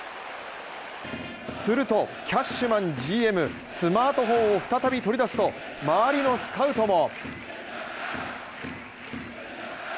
すると、キャッシュマンＧＭスマートフォンを再び取り出すと周りのスカウトも。